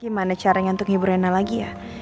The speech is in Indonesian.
gimana cara nyantuk ibu rena lagi ya